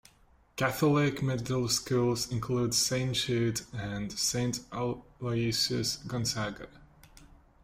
Catholic Middle Schools include Saint Jude and Saint Aloysius Gonzaga.